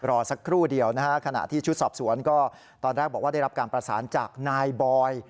รอสักครู่เดียวนะฮะขณะที่ชุดสอบสวนก็ตอนแรกบอกว่าได้รับการประสานจากนายบอย